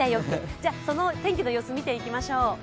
その天気の様子見ていきましょう。